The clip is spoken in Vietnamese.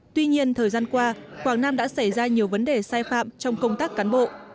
tuy nhiên thời gian qua quảng nam đã xảy ra nhiều vấn đề sai phạm trong công tác cán bộ